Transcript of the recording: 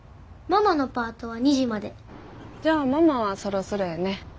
じゃあママはそろそろやね。